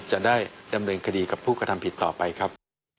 จะได้ดำเนินคดีกับผู้กระทำผิดต่อไปครับ